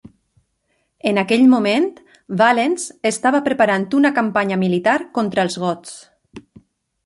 En aquell moment, Valens estava preparant una campanya militar contra els Goths.